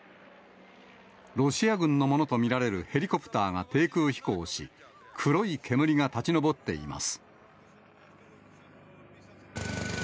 ロシア軍のものと見られるヘリコプターが低空飛行し、黒い煙が立ち上っています。